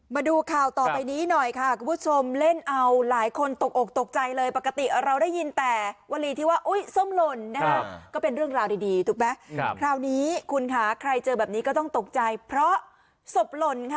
มาดูข่าวต่อไปนี้หน่อยค่ะคุณผู้ชมเล่นเอาหลายคนตกอกตกใจเลยปกติเราได้ยินแต่วลีที่ว่าอุ้ยส้มหล่นนะคะก็เป็นเรื่องราวดีถูกไหมคราวนี้คุณค่ะใครเจอแบบนี้ก็ต้องตกใจเพราะศพหล่นค่ะ